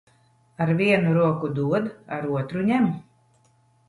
Ar vienu roku dod, ar otru ņem.